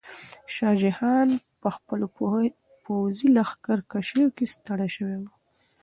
شاه جهان په خپلو پوځي لښکرکشیو کې ستړی شوی و.